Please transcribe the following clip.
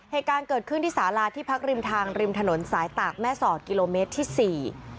เหตุการณ์เกิดขึ้นที่สาลาที่พักริมทางริมถนนสายตากแม่สอดกิโลเมตรที่สี่